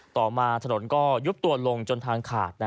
ต่อมาถนนก็ยุบตัวลงจนทางขาด